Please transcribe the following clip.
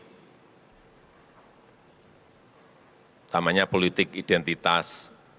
utamanya politik identitas